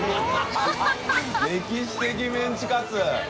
歴史的メンチカツ」青山）